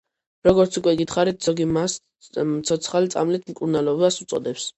როგორც უკვე გითხარით, ზოგი მას ცოცხალი წამლით მკურნალობას უწოდებს.